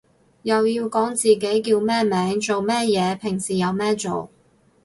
又要講自己叫咩名做咩嘢平時有咩做